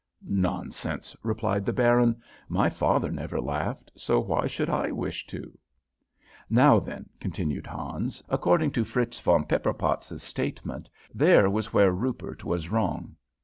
"'Nonsense!' replied the Baron. 'My father never laughed, so why should I wish to?' "Now, then," continued Hans, "according to Fritz von Pepperpotz's statement, there was where Rupert was wrong.